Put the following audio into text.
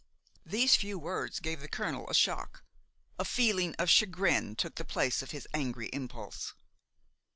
These few words gave the colonel a shock. A feeling of chagrin took the place of his angry impulse.